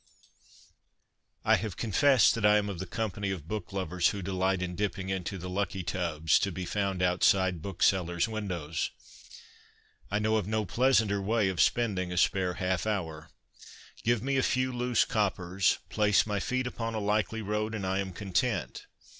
I have confessed that I am of the company of book lovers who delight in dipping into the ' lucky tubs ' to be found outside booksellers' windows. I know of no pleasanter way of spending a spare half hour. Give me a few ' loose ' coppers, place my feet upon a likely road, and I am content.